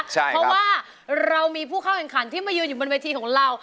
เพราะว่าเรามีผู้เข้าแข่งขันที่มายืนอยู่บนเวทีของเรา